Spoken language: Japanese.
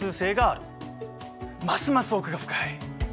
ますます奥が深い。